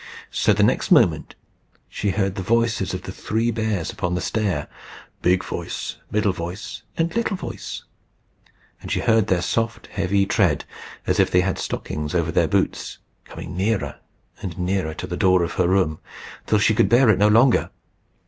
So the next moment she heard the voices of the three bears upon the stair, big voice, middle voice, and little voice, and she heard their soft, heavy tread, as if they had had stockings over their boots, coming nearer and nearer to the door of her room, till she could bear it no longer.